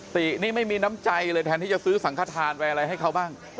ตินี่ไม่มีน้ำใจเลยแทนที่จะซื้อสังขทานไปอะไรให้เขาบ้าง